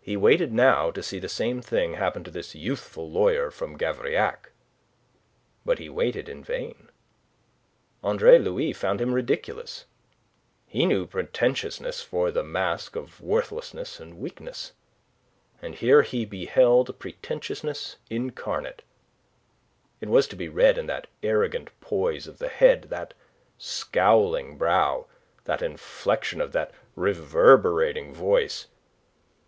He waited now to see the same thing happen to this youthful lawyer from Gavrillac. But he waited in vain. Andre Louis found him ridiculous. He knew pretentiousness for the mask of worthlessness and weakness. And here he beheld pretentiousness incarnate. It was to be read in that arrogant poise of the head, that scowling brow, the inflexion of that reverberating voice.